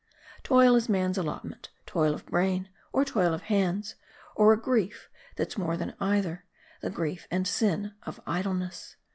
Toil is man's allotment ; toil of brain, or toil of hands, or a grief that's more than either, the grief and sin of idleness.